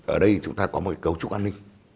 ở đây chúng ta có một cấu trúc an ninh